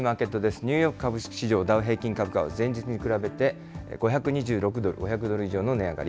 ニューヨーク株式市場、ダウ平均株価は前日に比べて、５２６ドル、５００ドル以上の値上がり。